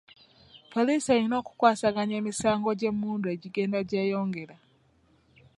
Poliisi erina okukwasaganya emisango gy'emmundu egigenda gyeyongera.